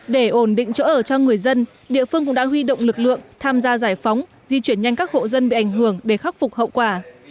để ổn định chỗ ở cho người dân địa phương cũng đã huy động lực lượng tham gia giải phóng di chuyển nhanh các hộ dân bị ảnh hưởng để khắc phục hậu quả